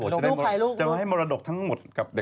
มดดำอยากให้ร่างตัวเองเป็นสาวนะ